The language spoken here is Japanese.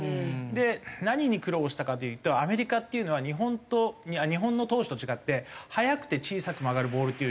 で何に苦労したかというとアメリカっていうのは日本の投手と違って速くて小さく曲がるボールっていうのをよく投げるんですよ。